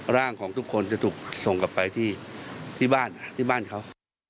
ร่างของทุกคนจะส่งไปที่บ้านเขา